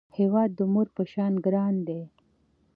هیواد د مور په شان ګران دی